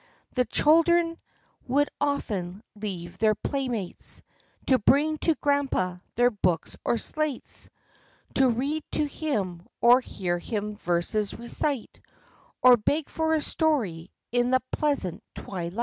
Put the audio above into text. The children would often leave their playmates, To bring to Grandpa their books or slates, To read to him, or hear him verses recite, Or beg for a story in the pleasant twilight.